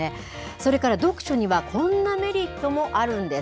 それから読書にはこんなメリットもあるんです。